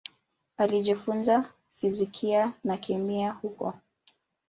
Alijifunza fizikia na kemia huko.